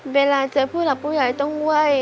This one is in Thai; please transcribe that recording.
เวลาเจอผู้หลักผู้ใหญ่ต้องไหว้